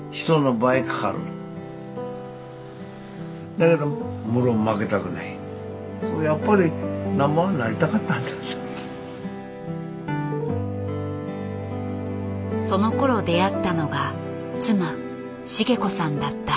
だからそのころ出会ったのが妻茂子さんだった。